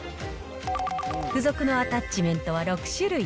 付属のアタッチメントは６種類。